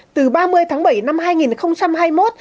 từ ba mươi tháng bảy năm hai nghìn hai mươi một